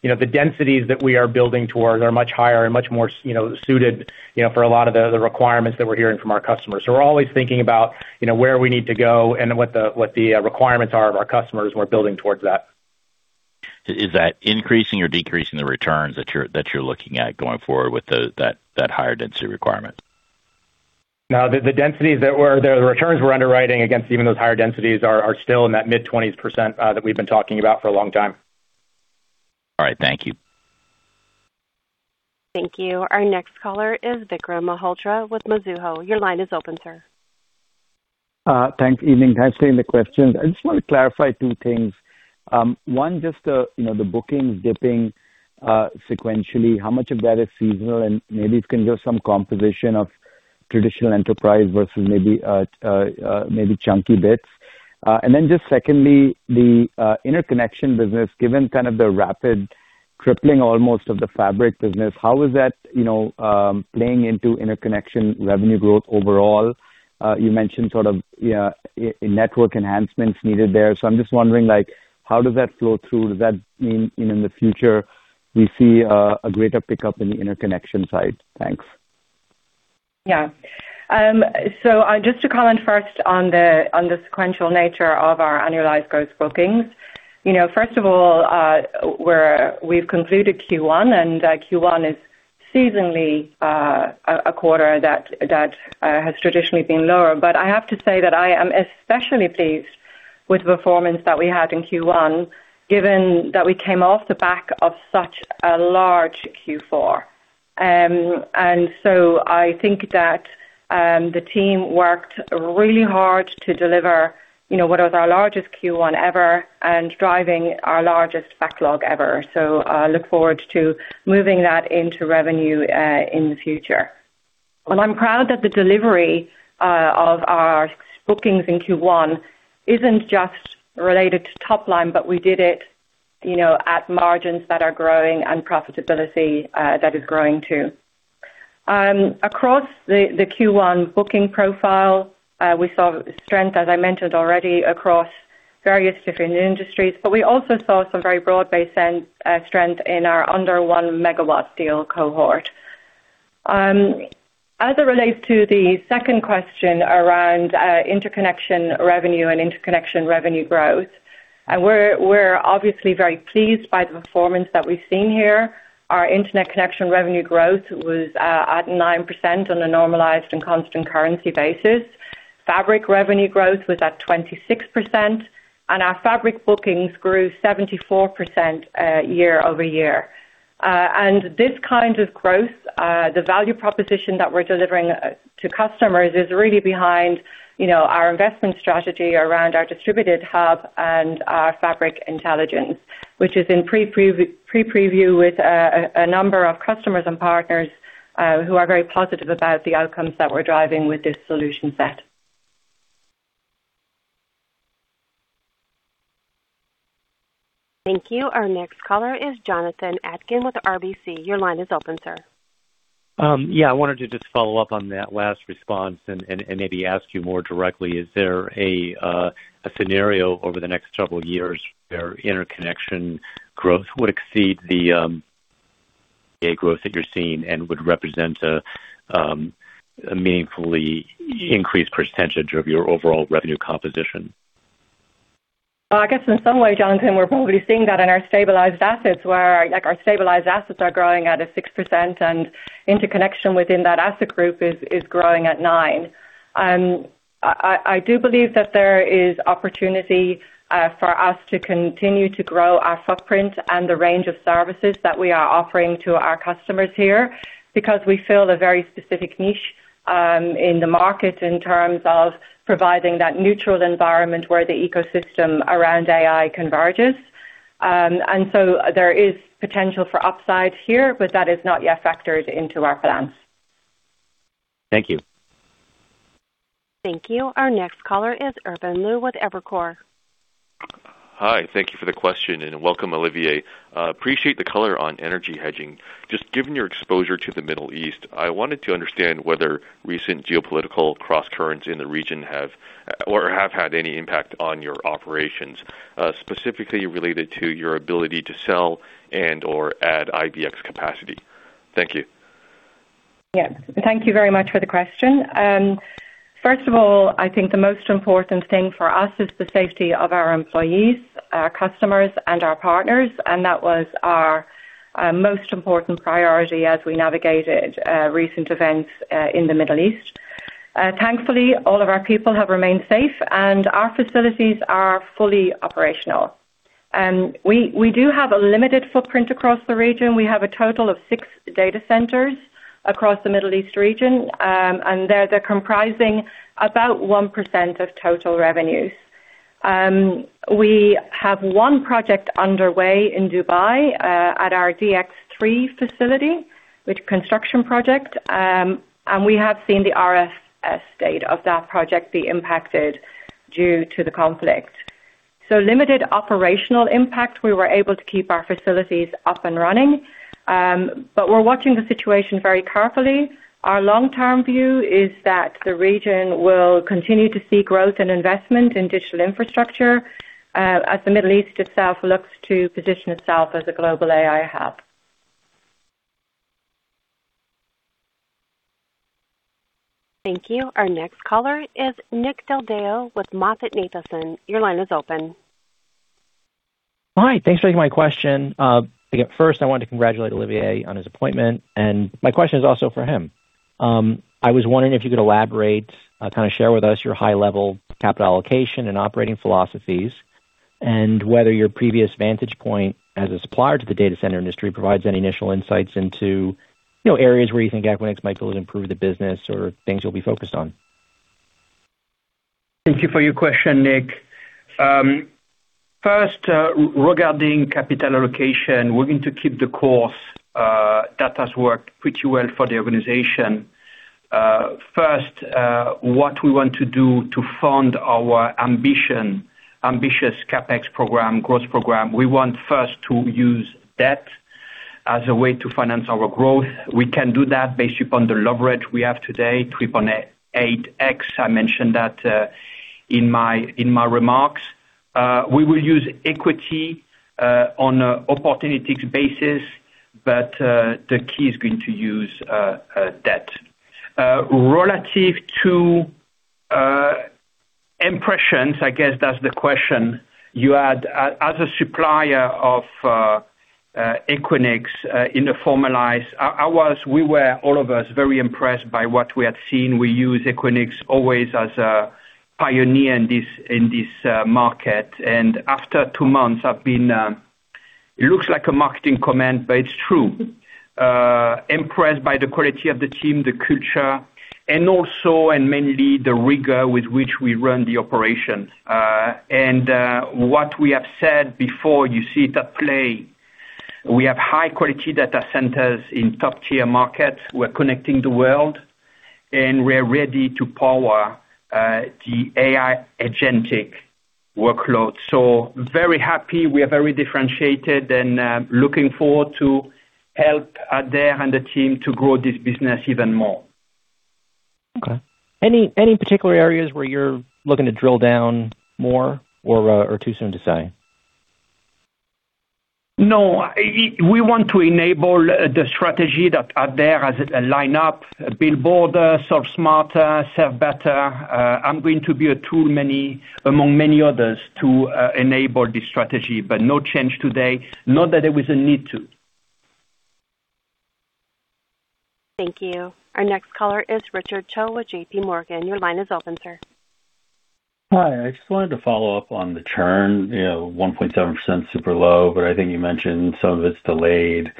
[SPEAKER 9] you know, the densities that we are building towards are much higher and much more suited, you know, for a lot of the requirements that we're hearing from our customers. We're always thinking about, you know, where we need to go and what the requirements are of our customers, and we're building towards that.
[SPEAKER 8] Is that increasing or decreasing the returns that you're looking at going forward with that higher density requirement?
[SPEAKER 9] No. The densities that we're the returns we're underwriting against even those higher densities are still in that mid-twenties% that we've been talking about for a long time.
[SPEAKER 8] All right. Thank you.
[SPEAKER 1] Thank you. Our next caller is Vikram Malhotra with Mizuho. Your line is open, sir.
[SPEAKER 10] Thanks. Evening. Thanks for taking the questions. I just want to clarify two things. One, just the, you know, the bookings dipping sequentially, how much of that is seasonal? Maybe you can give some composition of traditional enterprise versus maybe chunky bits. Then just secondly, the interconnection business, given kind of the rapid crippling almost of the fabric business, how is that, you know, playing into interconnection revenue growth overall? You mentioned sort of, yeah, network enhancements needed there. I'm just wondering, like, how does that flow through? Does that mean in the future we see a greater pickup in the interconnection side? Thanks.
[SPEAKER 3] Yeah. Just to comment first on the sequential nature of our annualized growth bookings. You know, first of all, we've concluded Q1. Q1 is seasonally a quarter that has traditionally been lower. I have to say that I am especially pleased with the performance that we had in Q1, given that we came off the back of such a large Q4. I think that the team worked really hard to deliver, you know, what was our largest Q1 ever and driving our largest backlog ever. I look forward to moving that into revenue in the future. I'm proud that the delivery of our bookings in Q1 isn't just related to top line, but we did it at margins that are growing and profitability that is growing, too. Across the Q1 booking profile, we saw strength, as I mentioned already, across various different industries, but we also saw some very broad-based strength in our under 1 MW deal cohort. As it relates to the second question around interconnection revenue and interconnection revenue growth, we're obviously very pleased by the performance that we've seen here. Our interconnection revenue growth was at 9% on a normalized and constant currency basis. Fabric revenue growth was at 26%, our Fabric bookings grew 74% year-over-year. This kind of growth, the value proposition that we're delivering to customers is really behind, you know, our investment strategy around our Distributed AI Hub and our Fabric Intelligence, which is in preview with a number of customers and partners, who are very positive about the outcomes that we're driving with this solution set.
[SPEAKER 1] Thank you. Our next caller is Jonathan Atkin with RBC. Your line is open, sir.
[SPEAKER 11] Yeah, I wanted to just follow up on that last response and maybe ask you more directly. Is there a scenario over the next several years where interconnection growth would exceed the growth that you're seeing and would represent a meaningfully increased percentage of your overall revenue composition?
[SPEAKER 3] I guess in some way, Jonathan, we're probably seeing that in our stabilized assets where, like, our stabilized assets are growing at 6% and interconnection within that asset group is growing at 9%. I do believe that there is opportunity for us to continue to grow our footprint and the range of services that we are offering to our customers here because we fill a very specific niche in the market in terms of providing that neutral environment where the ecosystem around AI converges. There is potential for upside here, but that is not yet factored into our plans.
[SPEAKER 11] Thank you.
[SPEAKER 1] Thank you. Our next caller is Irvin Liu with Evercore.
[SPEAKER 12] Hi. Thank you for the question and welcome, Olivier. Appreciate the color on energy hedging. Just given your exposure to the Middle East, I wanted to understand whether recent geopolitical crosscurrents in the region have or have had any impact on your operations, specifically related to your ability to sell and or add IBX capacity. Thank you.
[SPEAKER 3] Yes. Thank you very much for the question. First of all, I think the most important thing for us is the safety of our employees, our customers, and our partners, and that was our most important priority as we navigated recent events in the Middle East. Thankfully, all of our people have remained safe, and our facilities are fully operational. We do have a limited footprint across the region. We have a total of 6 data centers across the Middle East region, and they're comprising about 1% of total revenues. We have one project underway in Dubai at our DX3 facility with construction project, and we have seen the RSS state of that project be impacted due to the conflict. Limited operational impact. We were able to keep our facilities up and running. We're watching the situation very carefully. Our long-term view is that the region will continue to see growth and investment in digital infrastructure as the Middle East itself looks to position itself as a global AI hub.
[SPEAKER 1] Thank you. Our next caller is Nick Del Deo with MoffettNathanson. Your line is open.
[SPEAKER 13] Hi. Thanks for taking my question. Again, first I wanted to congratulate Olivier on his appointment. My question is also for him. I was wondering if you could elaborate, kind of share with us your high level capital allocation and operating philosophies and whether your previous vantage point as a supplier to the data center industry provides any initial insights into, you know, areas where you think Equinix might be able to improve the business or things you'll be focused on.
[SPEAKER 4] Thank you for your question, Nick. First, regarding capital allocation, we're going to keep the course that has worked pretty well for the organization. First, what we want to do to fund our ambitious CapEx program, growth program. We want first to use debt as a way to finance our growth. We can do that based upon the leverage we have today, 3.8x. I mentioned that in my remarks. We will use equity on an opportunistic basis, but the key is going to use debt. Relative to impressions, I guess that's the question you had. As a supplier of Equinix, I was, we were, all of us, very impressed by what we had seen. We use Equinix always as a pioneer in this, in this market. After two months, I've been, it looks like a marketing comment, but it's true, impressed by the quality of the team, the culture, and also and mainly the rigor with which we run the operations. What we have said before, you see it at play. We have high quality data centers in top-tier markets. We're connecting the world, and we're ready to power the AI agentic workload. Very happy. We are very differentiated, looking forward to help Adair and the team to grow this business even more.
[SPEAKER 13] Okay. Any particular areas where you're looking to drill down more or too soon to say?
[SPEAKER 4] No. We want to enable the strategy that Adair has lined up. Build Bolder, Solve Smarter, Serve Better. I'm going to be a tool among many others to enable this strategy, but no change today. Not that there was a need to.
[SPEAKER 1] Thank you. Our next caller is Richard Chung with JPMorgan. Your line is open, sir.
[SPEAKER 14] Hi. I just wanted to follow up on the churn. You know, 1.7% super low, but I think you mentioned some of it's delayed,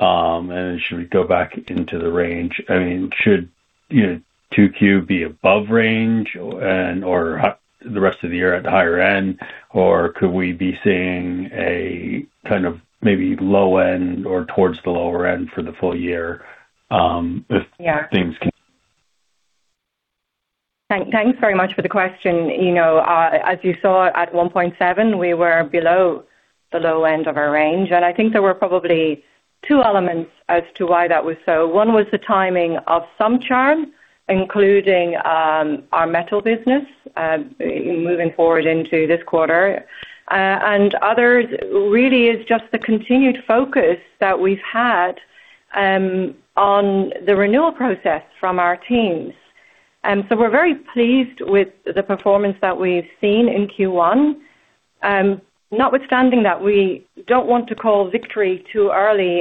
[SPEAKER 14] and it should go back into the range. I mean, should, you know, 2Q be above range and or the rest of the year at the higher end or could we be seeing a kind of maybe low end or towards the lower end for the full year?
[SPEAKER 3] Yeah.
[SPEAKER 14] Things can.
[SPEAKER 3] Thanks very much for the question. You know, as you saw at 1.7, we were below the low end of our range. I think there were probably two elements as to why that was so. One was the timing of some churn, including our Equinix Metal business, moving forward into this quarter. Others really is just the continued focus that we've had on the renewal process from our teams. We're very pleased with the performance that we've seen in Q1. Notwithstanding that we don't want to call victory too early,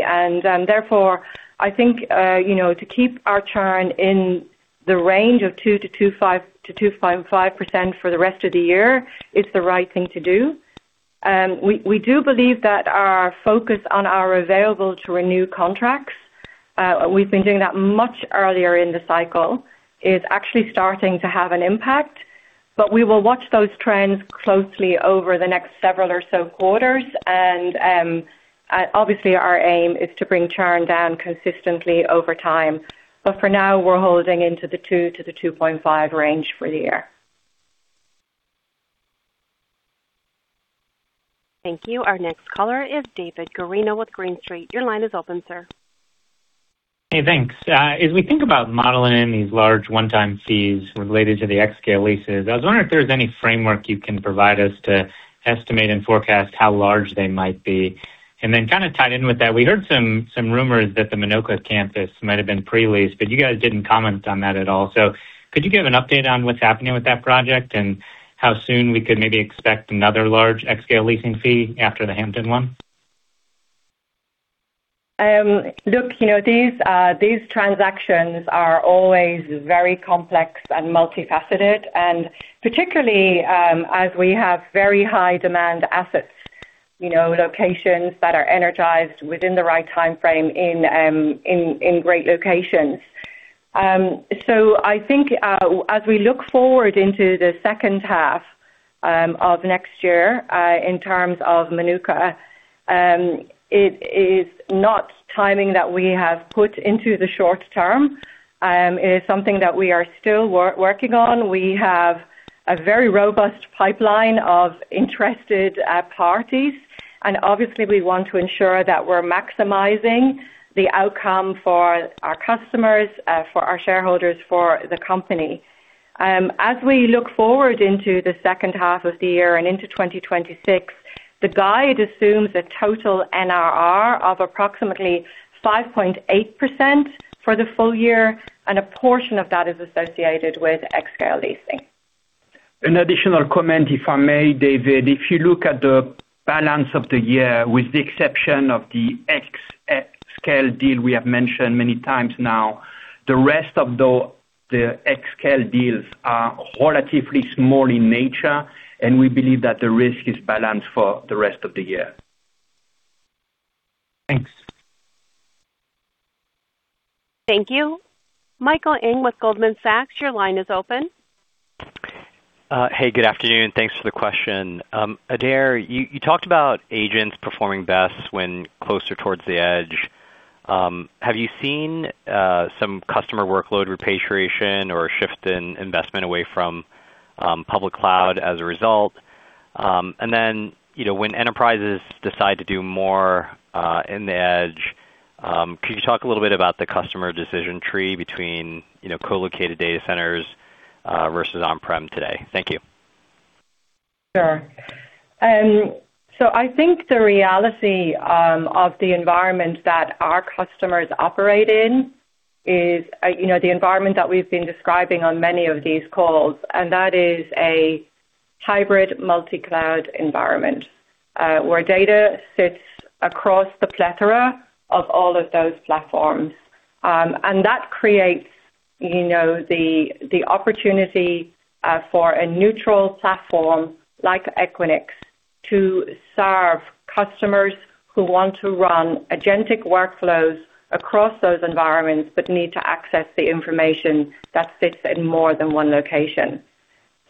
[SPEAKER 3] therefore, I think, you know, to keep our churn in the range of 2%-2.5% for the rest of the year is the right thing to do. We do believe that our focus on our available to renew contracts, we've been doing that much earlier in the cycle, is actually starting to have an impact. We will watch those trends closely over the next several or so quarters. Obviously our aim is to bring churn down consistently over time. For now, we're holding into the 2-2.5 range for the year.
[SPEAKER 1] Thank you. Our next caller is David Guarino with Green Street. Your line is open, sir.
[SPEAKER 15] Hey, thanks. As we think about modeling these large one-time fees related to the xScale leases, I was wondering if there's any framework you can provide us to estimate and forecast how large they might be. Kind of tied in with that, we heard some rumors that the Minooka campus might have been pre-leased, but you guys didn't comment on that at all. Could you give an update on what's happening with that project and how soon we could maybe expect another large xScale leasing fee after the Hampton one?
[SPEAKER 3] Look, you know, these transactions are always very complex and multifaceted, and particularly, as we have very high demand assets, you know, locations that are energized within the right timeframe in great locations. I think, as we look forward into the second half of next year, in terms of Minooka, it is not timing that we have put into the short term. It is something that we are still working on. We have a very robust pipeline of interested parties, obviously we want to ensure that we're maximizing the outcome for our customers, for our shareholders, for the company. As we look forward into the second half of the year and into 2026, the guide assumes a total NRR of approximately 5.8% for the full year, a portion of that is associated with xScale leasing.
[SPEAKER 4] An additional comment, if I may, David. If you look at the balance of the year, with the exception of the xScale deal we have mentioned many times now, the rest of the xScale deals are relatively small in nature, and we believe that the risk is balanced for the rest of the year.
[SPEAKER 15] Thanks.
[SPEAKER 1] Thank you. Michael Ng with Goldman Sachs, your line is open.
[SPEAKER 16] Hey, good afternoon. Thanks for the question. Adair, you talked about agents performing best when closer towards the edge. Have you seen some customer workload repatriation or shift in investment away from public cloud as a result? You know, when enterprises decide to do more in the edge, could you talk a little bit about the customer decision tree between, you know, co-located data centers versus on-prem today? Thank you.
[SPEAKER 3] Sure. I think the reality of the environment that our customers operate in is the environment that we've been describing on many of these calls, and that is a hybrid multi-cloud environment, where data sits across the plethora of all of those platforms. That creates the opportunity for a neutral platform like Equinix to serve customers who want to run agentic workflows across those environments but need to access the information that sits in more than one location.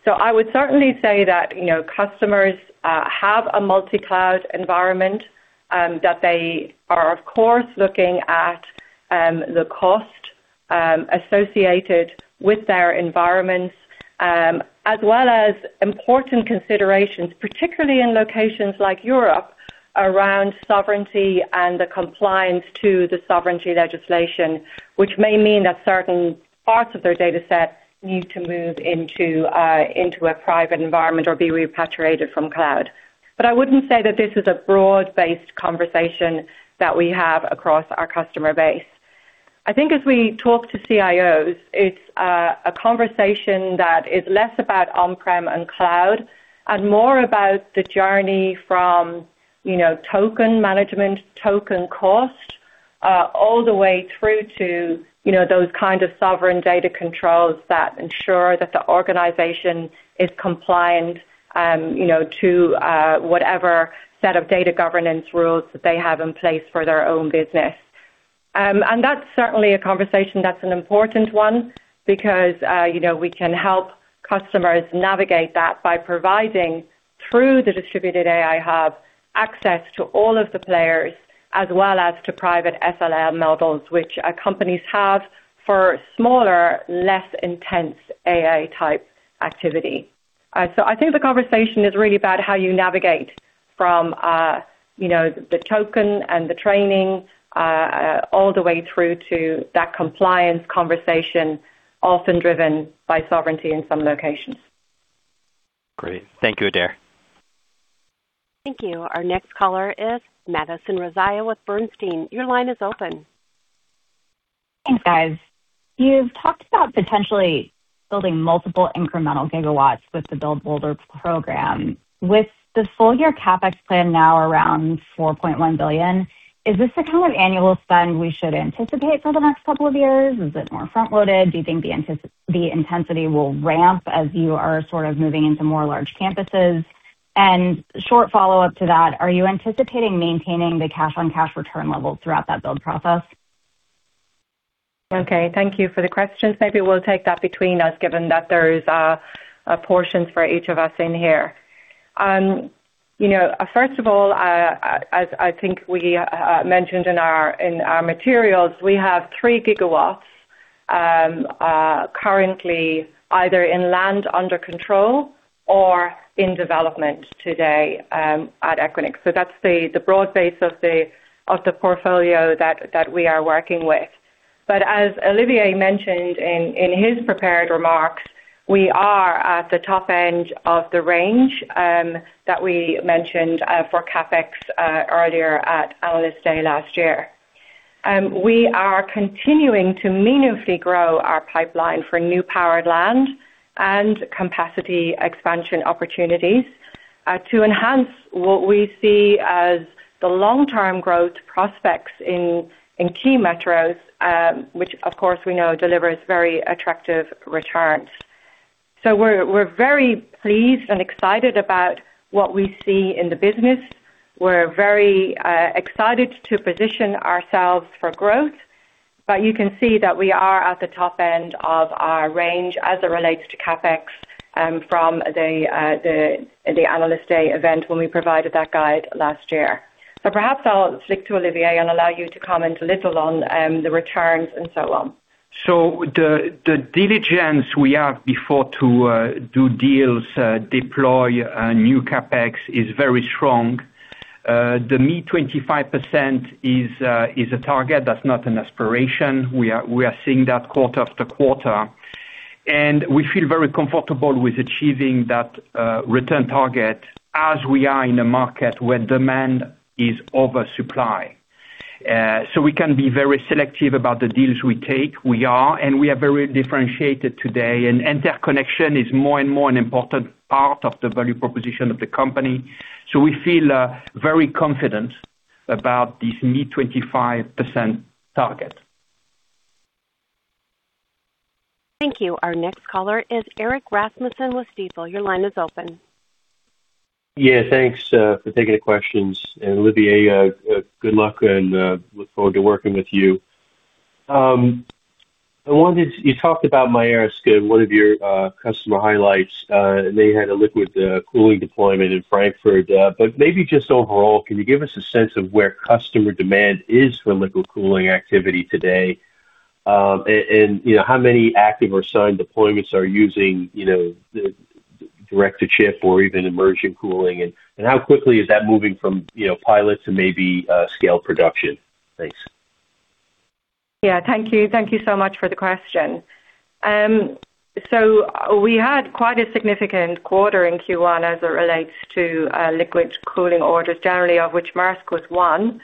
[SPEAKER 3] I would certainly say that, you know, customers have a multi-cloud environment that they are, of course, looking at the cost associated with their environments, as well as important considerations, particularly in locations like Europe, around sovereignty and the compliance to the sovereignty legislation, which may mean that certain parts of their data set need to move into into a private environment or be repatriated from cloud. I wouldn't say that this is a broad-based conversation that we have across our customer base. I think as we talk to CIOs, it's a conversation that is less about on-prem and cloud and more about the journey from, you know, token management, token cost, all the way through to, you know, those kind of sovereign data controls that ensure that the organization is compliant, you know, to whatever set of data governance rules that they have in place for their own business. And that's certainly a conversation that's an important one because, you know, we can help customers navigate that by providing through the Equinix Distributed AI Hub access to all of the players as well as to private SLM models which companies have for smaller, less intense AI type activity. I think the conversation is really about how you navigate from, you know, the token and the training all the way through to that compliance conversation, often driven by sovereignty in some locations.
[SPEAKER 16] Great. Thank you, Adair.
[SPEAKER 1] Thank you. Our next caller is Madison Rezaei with Bernstein. Your line is open.
[SPEAKER 17] Thanks, guys. You've talked about potentially building multiple incremental gigawatts with the Build Bolder program. With the full year CapEx plan now around $4.1 billion, is this the kind of annual spend we should anticipate for the next couple of years? Is it more front-loaded? Do you think the intensity will ramp as you are sort of moving into more large campuses? Short follow-up to that, are you anticipating maintaining the cash-on-cash return level throughout that build process?
[SPEAKER 3] Okay. Thank you for the questions. Maybe we'll take that between us, given that there is a portion for each of us in here. You know, first of all, as I think we mentioned in our, in our materials, we have 3 GW currently either in land under control or in development today at Equinix. That's the broad base of the portfolio that we are working with. As Olivier mentioned in his prepared remarks, we are at the top end of the range that we mentioned for CapEx earlier at Analyst Day last year. We are continuing to meaningfully grow our pipeline for new powered land and capacity expansion opportunities to enhance what we see as the long-term growth prospects in key metros, which of course we know delivers very attractive returns. We're very pleased and excited about what we see in the business. We're very excited to position ourselves for growth. You can see that we are at the top end of our range as it relates to CapEx from the Analyst Day event when we provided that guide last year. Perhaps I'll flick to Olivier and allow you to comment a little on the returns and so on.
[SPEAKER 4] The diligence we have before to do deals, deploy new CapEx is very strong. The mid 25% is a target. That's not an aspiration. We are seeing that quarter after quarter. We feel very comfortable with achieving that return target as we are in a market where demand is over supply. We can be very selective about the deals we take. We are very differentiated today, and interconnection is more and more an important part of the value proposition of the company. We feel very confident about this mid 25% target.
[SPEAKER 1] Thank you. Our next caller is Erik Rasmussen with Stifel. Your line is open.
[SPEAKER 18] Yeah, thanks for taking the questions. Olivier, good luck and look forward to working with you. You talked about Maersk in one of your customer highlights, and they had a liquid cooling deployment in Frankfurt. Maybe just overall, can you give us a sense of where customer demand is for liquid cooling activity today? How many active or signed deployments are using the direct to chip or even immersion cooling? How quickly is that moving from, you know, pilot to maybe scale production? Thanks.
[SPEAKER 3] Yeah, thank you. Thank you so much for the question. We had quite a significant quarter in Q1 as it relates to liquid cooling orders generally, of which Maersk was one.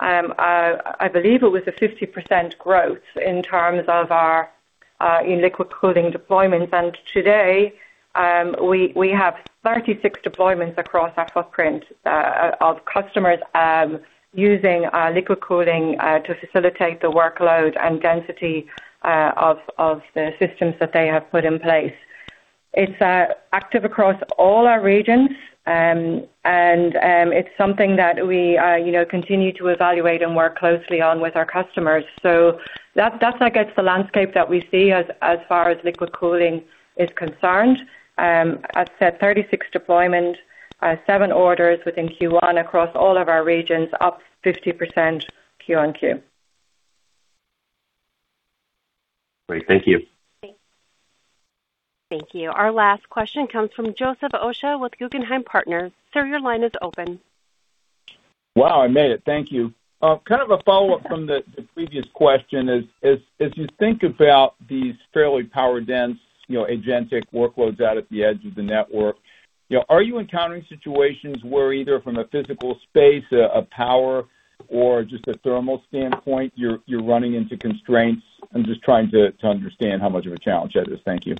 [SPEAKER 3] I believe it was a 50% growth in terms of our in liquid cooling deployments. Today, we have 36 deployments across our footprint of customers using liquid cooling to facilitate the workload and density of the systems that they have put in place. It's active across all our regions. It's something that we, you know, continue to evaluate and work closely on with our customers. That's, I guess, the landscape that we see as far as liquid cooling is concerned. As said, 36 deployment, seven orders within Q1 across all of our regions, up 50% Q on Q.
[SPEAKER 18] Great. Thank you.
[SPEAKER 1] Thank you. Our last question comes from Joseph Osha with Guggenheim Partners. Sir, your line is open.
[SPEAKER 19] Wow, I made it. Thank you. Kind of a follow-up from the previous question is, as you think about these fairly power dense, you know, agentic workloads out at the edge of the network, you know, are you encountering situations where either from a physical space, a power or just a thermal standpoint, you're running into constraints? I'm just trying to understand how much of a challenge that is. Thank you.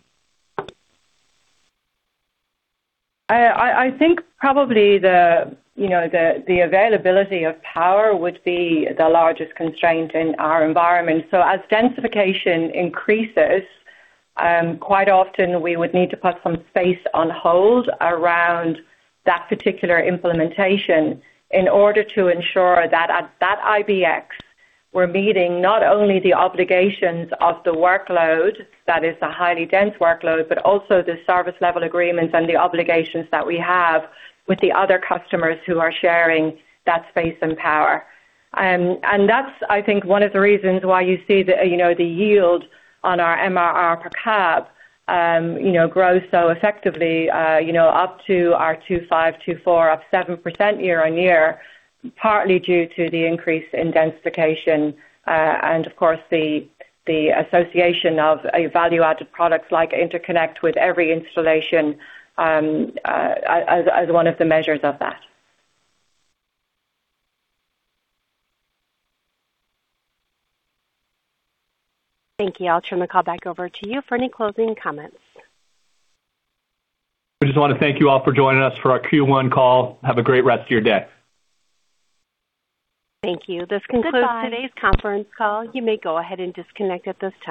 [SPEAKER 3] I think probably the, you know, the availability of power would be the largest constraint in our environment. As densification increases, quite often we would need to put some space on hold around that particular implementation in order to ensure that at that IBX, we're meeting not only the obligations of the workload, that is a highly dense workload, but also the service level agreements and the obligations that we have with the other customers who are sharing that space and power. That's, I think, one of the reasons why you see the, you know, the yield on our MRR per cab, you know, grow so effectively, you know, up to our $25.24, up 7% year-on-year, partly due to the increase in densification. Of course, the association of a value-added products like interconnect with every installation, as one of the measures of that.
[SPEAKER 1] Thank you. I'll turn the call back over to you for any closing comments.
[SPEAKER 4] We just wanna thank you all for joining us for our Q1 call. Have a great rest of your day.
[SPEAKER 1] Thank you. This concludes
[SPEAKER 4] Goodbye.
[SPEAKER 1] Today's conference call. You may go ahead and disconnect at this time.